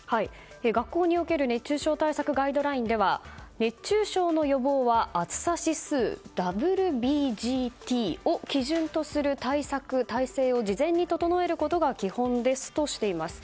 学校における熱中症対策ガイドラインでは熱中症の予防は暑さ指数、ＷＢＧＴを基準とする対策・体制を事前に整えることが基本ですとしています。